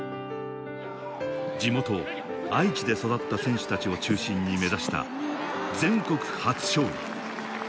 地元、愛知で育った選手たちを中心に目指した全国初勝利。